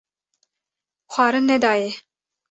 xwarin nedayê.